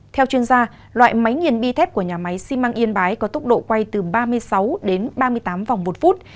theo chuyên gia loại máy nghiền bi thép của nhà máy xi măng yên bái có tốc độ quay từ ba mươi sáu đến ba mươi tám vòng một phút